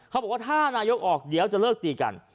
เขาบอกว่าถ้านายกออกเดี๋ยวจะเลิกตีกัน